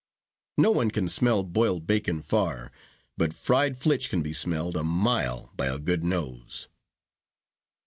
No one can smell boiled bacon far; but fried flitch can be smelled a mile by a good nose.